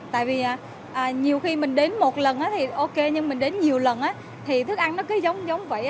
tại vì nhiều khi mình đến một lần thì ok nhưng mình đến nhiều lần thì thức ăn nó cứ giống vậy